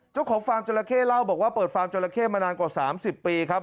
ฟาร์มจราเข้เล่าบอกว่าเปิดฟาร์มจราเข้มานานกว่า๓๐ปีครับ